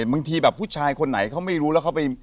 บางทีแบบผู้ชายคนไหนเขาไม่รู้แล้วเขาไป